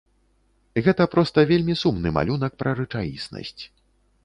Гэта проста вельмі сумны малюнак пра рэчаіснасць.